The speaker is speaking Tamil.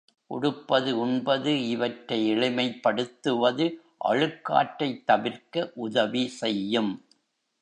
உடுப்பது உண்பது இவற்றை எளிமைப் படுத்துவது அழுக்காற்றைத் தவிர்க்க உதவி செய்யும்.